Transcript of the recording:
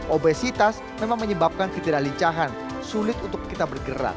obesitas memang menyebabkan ketidaklincahan sulit untuk kita bergerak